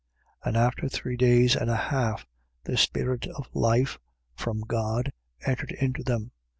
11:11. And after three days and a half, the spirit of life from God entered into them.